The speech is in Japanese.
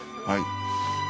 はい。